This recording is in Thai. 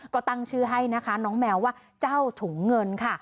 ก็ตั้งชื่อให้นะคะน้องแมวว่าเจ้าถุงเงินค่ะ